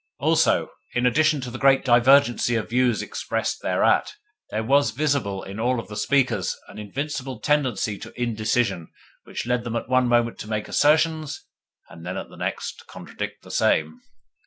Also, in addition to the great divergency of views expressed thereat, there was visible in all the speakers an invincible tendency to indecision which led them at one moment to make assertions, and at the next to contradict the same.